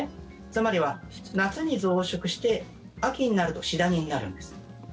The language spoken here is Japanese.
つまりは夏に増殖して秋になると死ダニになるんです。